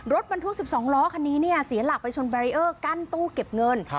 รถบรรทุก๑๒ล้อคันนี้เนี่ยเสียหลักไปชนแบรีเออร์กั้นตู้เก็บเงิน